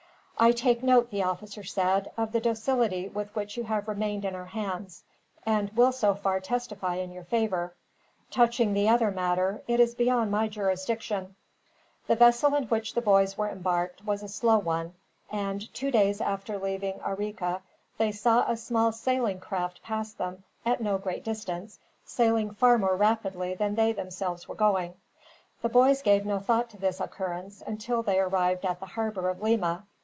"I take note," the officer said, "of the docility with which you have remained in our hands; and will so far testify in your favor Touching the other matter, it is beyond my jurisdiction." The vessel in which the boys were embarked was a slow one and, two days after leaving Arica, they saw a small sailing craft pass them, at no great distance, sailing far more rapidly than they themselves were going. The boys gave no thought to this occurrence, until they arrived at the harbor of Lima.